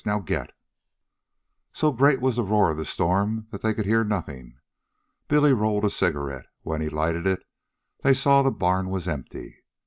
Now get!" So great was the roar of the storm that they could hear nothing. Billy rolled a cigarette. When he lighted it, they saw the barn was empty.